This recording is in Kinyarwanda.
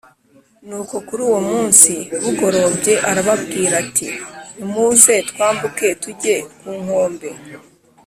Nuko kuri uwo munsi bugorobye arababwira ati nimuze twambuke tujye ku nkombe